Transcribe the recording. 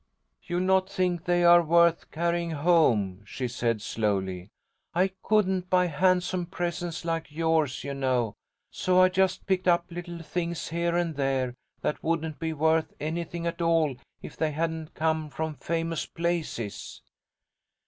"You'll not think they are worth carrying home," she said, slowly. "I couldn't buy handsome presents like yours, you know, so I just picked up little things here and there, that wouldn't be worth anything at all if they hadn't come from famous places."